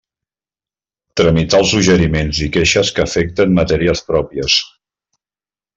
Tramitar els suggeriments i queixes que afecten matèries pròpies.